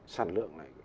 sản lượng lại